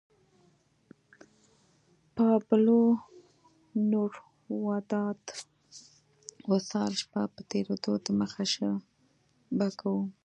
پابلو نوروداد وصال شپه په تېرېدو ده مخه شه به کوو